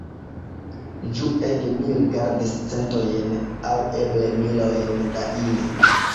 Ĝuege mi rigardis centojn aŭ eble milojn da ili.